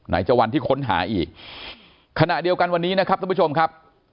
จะวันที่ค้นหาอีกขณะเดียวกันวันนี้นะครับท่านผู้ชมครับ